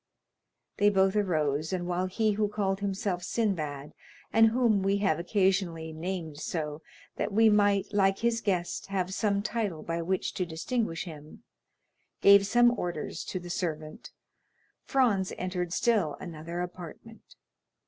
They both arose, and while he who called himself Sinbad—and whom we have occasionally named so, that we might, like his guest, have some title by which to distinguish him—gave some orders to the servant, Franz entered still another apartment.